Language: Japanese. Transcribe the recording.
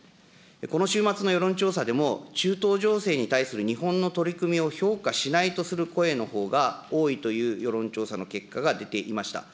この週末の世論調査でも、中東情勢に対する日本の取り組みを評価しないとする声のほうが多いという世論調査の結果が出ていました。